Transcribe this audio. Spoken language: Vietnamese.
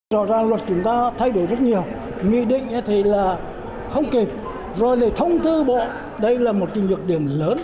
rõ ràng luật chúng ta thay đổi rất nhiều nghị định thì là không kịp rồi này thông tư bộ đây là một trình nhược điểm lớn